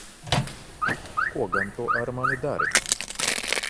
Ko gan tu ar mani dari?